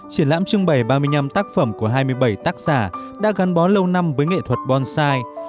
triển lãm trưng bày ba mươi năm tác phẩm của hai mươi bảy tác giả đã gắn bó lâu năm với nghệ thuật bonsai